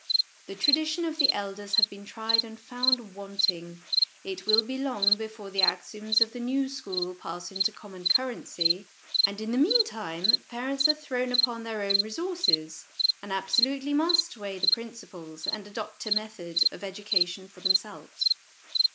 The traditions of the elders have been tried and found wanting ; it will be long before the axioms of the new school pass into common currency ; and, in the meantime, parents are thrown upon their own resources, and absolutely must weigh principles, and adopt a method, of education for themselves.